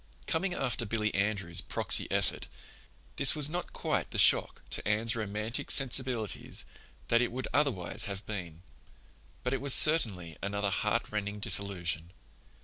Coming after Billy Andrews' proxy effort, this was not quite the shock to Anne's romantic sensibilities that it would otherwise have been; but it was certainly another heart rending disillusion.